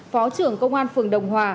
phó trưởng công an phường đồng hòa